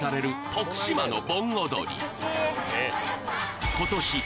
徳島の盆踊り